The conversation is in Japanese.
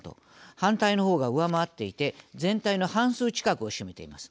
反対の方が上回っていて全体の半数近くを占めています。